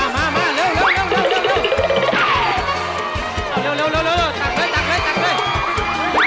มาเร็ว